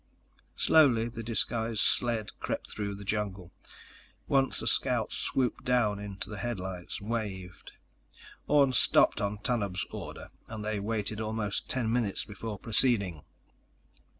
_ Slowly, the disguised sled crept through the jungle. Once, a scout swooped down into the headlights, waved. Orne stopped on Tanub's order, and they waited almost ten minutes before proceeding.